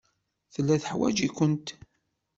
Tella teḥwaj-ikent.